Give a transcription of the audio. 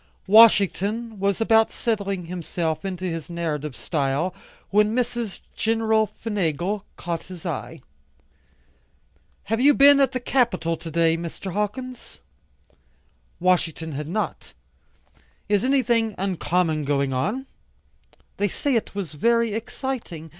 Washington was about settling himself into his narrative style, when Mrs. Gen. McFingal caught his eye. "Have you been at the Capitol to day, Mr. Hawkins?" Washington had not. "Is anything uncommon going on?" "They say it was very exciting.